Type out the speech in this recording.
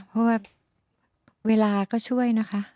เพราะว่าเวลาก็ช่วยนะคะ